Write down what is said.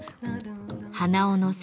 鼻緒の先